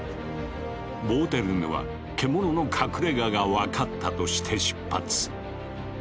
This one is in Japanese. ボーテルヌは獣の隠れがが分かったとして出発。